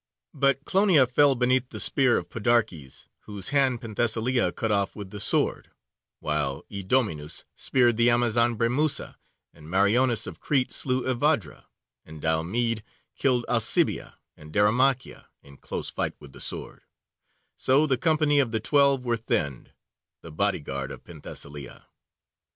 But Clonie fell beneath the spear of Podarkes, whose hand Penthesilea cut off with the sword, while Idomeneus speared the Amazon Bremousa, and Meriones of Crete slew Evadre, and Diomede killed Alcibie and Derimacheia in close fight with the sword, so the company of the Twelve were thinned, the bodyguard of Penthesilea.